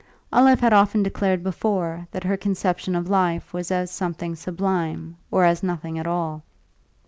Olive had often declared before that her conception of life was as something sublime or as nothing at all.